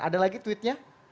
ada lagi tweetnya